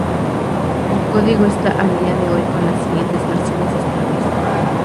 El código está al día de hoy con las siguientes versiones estables.